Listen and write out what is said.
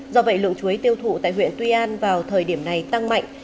do vậy lượng chuối tiêu thụ tại huyện tuy an vào thời điểm này tăng mạnh